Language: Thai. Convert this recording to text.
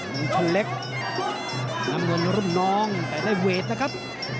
มึงโชนเล็กนำลวงรุ่นน้องใส่ได้เวทนะครับ